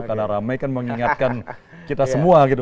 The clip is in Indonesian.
karena ramai kan mengingatkan kita semua gitu